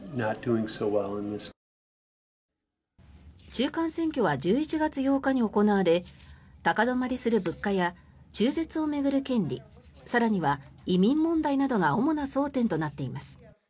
中間選挙は１１月８日に行われ高止まりする物価や中絶を巡る権利更には移民問題などが主な争点となっています。